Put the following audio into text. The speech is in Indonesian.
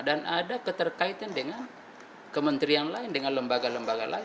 dan ada keterkaitan dengan kementerian lain dengan lembaga lembaga lain